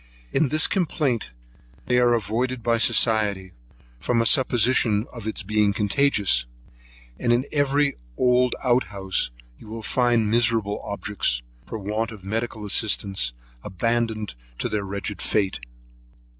In this complaint they are avoided by society, from a supposition of its being contagious; and in every old out house, you will find miserable objects, for want of medical assistance, abandoned to their wretched fate.